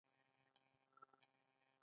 یو درجن د تېلو بوتلونه په کې و.